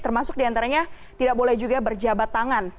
termasuk diantaranya tidak boleh juga berjabat tangan